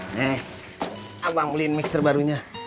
nih abang beliin mixer barunya